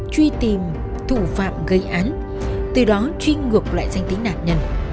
truy tìm thủ phạm gây án từ đó truy ngược lại danh tính nạn nhân